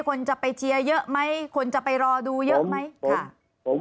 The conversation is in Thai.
คนจะไปเชียร์เยอะไหมคนจะไปรอดูเยอะไหมค่ะ